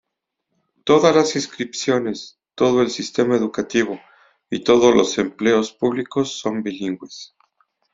Todas las inscripciones, todo el sistema educativo y todos los empleos públicos son bilingües.